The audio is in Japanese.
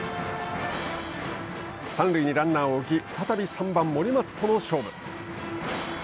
三塁にランナーを置き再び３番森松との勝負。